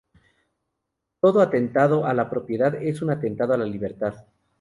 Todo atentado a la propiedad es un atentado a la libertad.